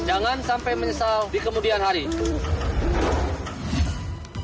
jangan sampai menyesal di kemudian hari